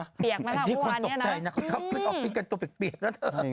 อันนี้คนตกใจนะเค้าคลิกออฟฟิกกันตัวเปรียกแล้วเถอะ